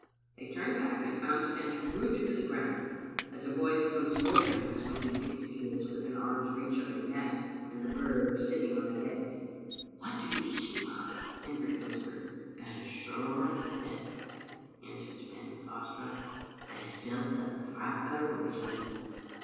They turned back and found Spens rooted to the ground, as a boy becomes motionless when he thinks he is within arm's reach of a nest and the bird sitting on the eggs. Digitized by VjOOQ IC m the Hittte Alnietet. "What do you see, man?" Hendry whispered. "As sure as death," answered Spens, awe struck, "I felt a drap o' rain."